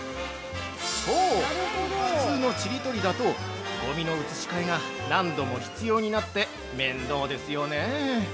◆そう、普通のちり取りだと、ごみの移し替えが何度も必要になって面倒ですよね。